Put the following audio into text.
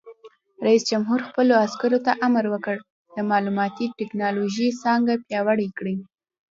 رئیس جمهور خپلو عسکرو ته امر وکړ؛ د معلوماتي تکنالوژۍ څانګه پیاوړې کړئ!